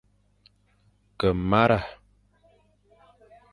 Ke mara,